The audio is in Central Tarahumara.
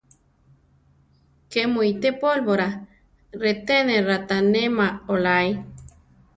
¿Ké mu ité pólvora? reté ne raʼtánema oláe.